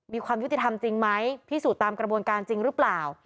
มีความยุติธรรมจริงไหมพิสูจน์ตามกระบวนการจริงหรือเปล่า